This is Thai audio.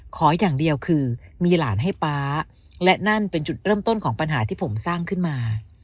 ขออย่างเดียวคือมีหลานให้ป๊าและนั่นเป็นจุดเริ่มต้นของปัญหาที่ผมสร้างขึ้นมา